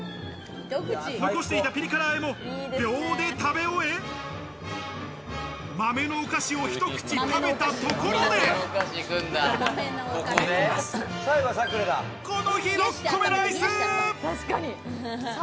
残していたピリ辛和えも秒で食べ終え、豆のお菓子を一口食べたところで、この日、６個目のアイス。